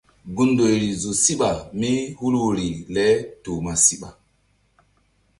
Gun ndoyri zo síɓa mí hul woyri le toh ma siɓa.